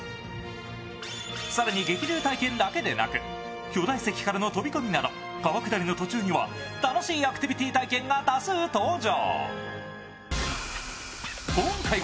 更に、激流体験だけでなく、巨大石からの飛び込みなど、川下りの途中には楽しいアクティビティー体験が多数登場。